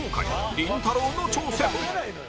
りんたろー。の挑戦